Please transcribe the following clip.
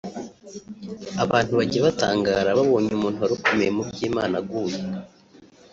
Abantu bajya batangara babonye umuntu wari ukomeye mu by’Imana aguye